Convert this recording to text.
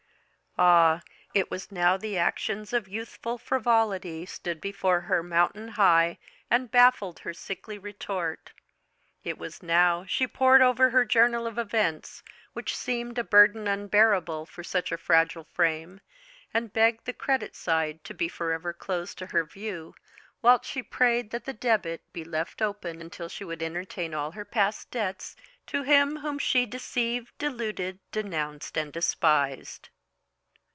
Ah! it was now the actions of youthful frivolity stood before her mountain high and baffled her sickly retort. It was now she pored over her journal of events, which seemed a burthen unbearable for such a fragile frame, and begged the credit side to be for ever closed to her view, whilst she prayed that the debit be left open until she would enter therein all her past debts to him whom she deceived, deluded, denounced, and despised.